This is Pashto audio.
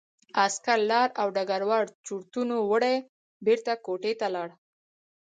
عسکر لاړ او ډګروال چورتونو وړی بېرته کوټې ته لاړ